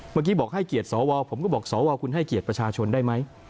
เมื่อกี้บอกให้เกียรติสวผมก็บอกสวคุณให้เกียรติประชาชนได้ไหม